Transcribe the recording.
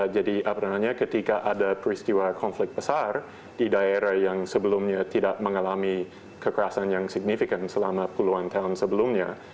jadi apa namanya ketika ada peristiwa konflik besar di daerah yang sebelumnya tidak mengalami kekerasan yang signifikan selama puluhan tahun sebelumnya